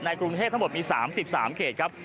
กรุงเทพทั้งหมดมี๓๓เขตครับ